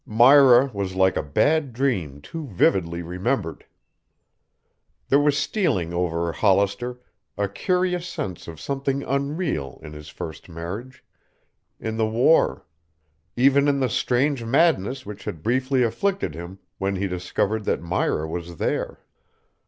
Myra was like a bad dream too vividly remembered. There was stealing over Hollister a curious sense of something unreal in his first marriage, in the war, even in the strange madness which had briefly afflicted him when he discovered that Myra was there.